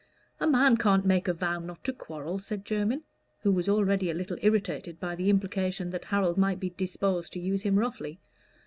"A man can't make a vow not to quarrel," said Jermyn, who was already a little irritated by the implication that Harold might be disposed to use him roughly.